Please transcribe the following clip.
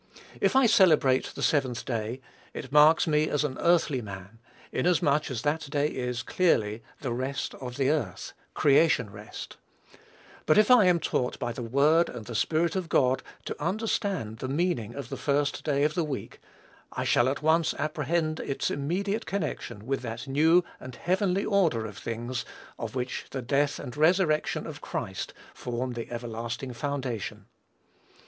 If I celebrate the seventh day, it marks me as an earthly man, inasmuch as that day is, clearly, the rest of earth creation rest; but if I am taught by the Word and Spirit of God to understand the meaning of the first day of the week, I shall at once apprehend its immediate connection with that new and heavenly order of things, of which the death and resurrection of Christ form the everlasting foundation.